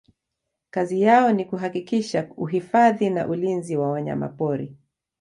kazi yao ni kuhakikisha uhifadhi na ulinzi wa wanyamapori